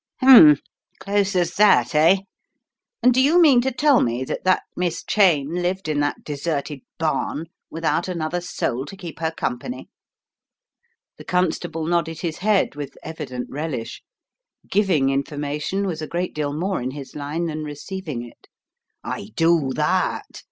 "Hmm. Close as that, eh? And do you mean to tell me that that Miss Cheyne lived in that de serted barn without another soul .to keep her com pany?" The constable nodded his head with evident relish. Giving information was a great deal more in his line than receiving it. "I do that!"